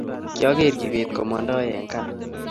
Kyageer Kibet komondoi eng gaa